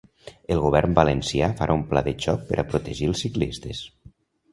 El govern valencià farà un pla de xoc per a protegir els ciclistes.